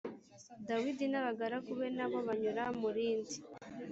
Dawidi n abagaragu be na bo banyura mu rindi